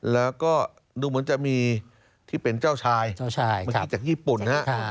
แล้วก็ดูเหมือนจะมีที่เป็นเจ้าชายเมื่อกี้จากญี่ปุ่นฮะ